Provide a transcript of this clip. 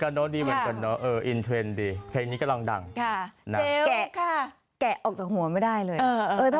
อันนี้เป็นแมส